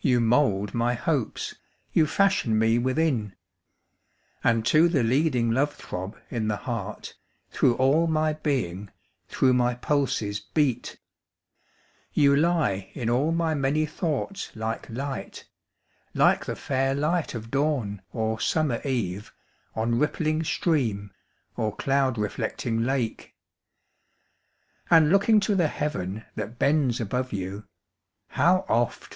commune } 1807. Now first published from an MS. 26 You mould my Hopes you fashion me within: And to the leading love throb in the heart, Through all my being, through my pulses beat; You lie in all my many thoughts like Light, Like the fair light of Dawn, or summer Eve, On rippling stream, or cloud reflecting lake; And looking to the Heaven that bends above you, How oft!